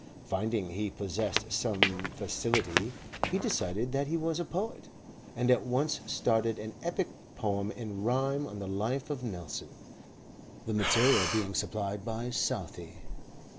Finding he possessed some facility, he decided that he was a poet, and at once started an epic poem in rhyme on the Life of Nelson, the material being supplied by Southey.